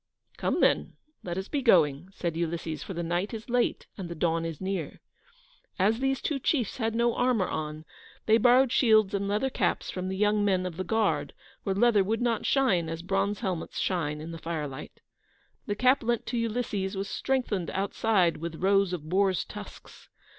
"Come, then, let us be going," said Ulysses, "for the night is late, and the dawn is near." As these two chiefs had no armour on, they borrowed shields and leather caps from the young men of the guard, for leather would not shine as bronze helmets shine in the firelight. The cap lent to Ulysses was strengthened outside with rows of boars' tusks.